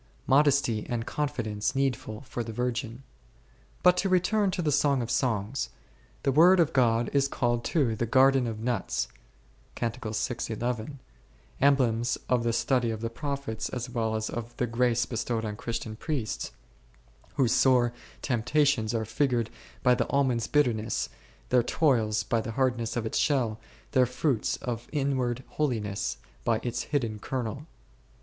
J^otJcsiT) antf ccnffoence netful for t^e Utrgfrt. But to return to the Song of Songs : the Word of God is called too the garden of nuts <i, emblems of the study of the prophets as well as of the grace bestowed on Christian priests, whose sore temptations are figured by the almond's bitterness, their toils by the hardness of its shell, their fruits of inward holiness by its hidden kernel.